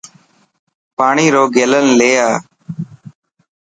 پاني رو گيلن لي آءِ.